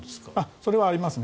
それはありますね。